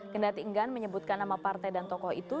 kendati enggan menyebutkan nama partai dan tokoh itu